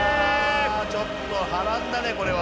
ちょっと波乱だねこれは。